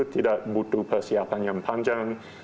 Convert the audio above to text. tidak butuh persiapan yang panjang